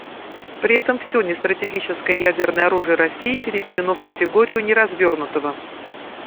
При этом все нестратегическое ядерное оружие России переведено в категорию неразвернутого.